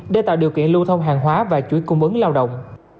để tạo điều kiện lưu thông hàng hóa và chuỗi cung ứng lao động